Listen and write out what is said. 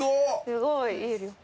すごいいい旅行。